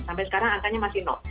sampai sekarang angkanya masih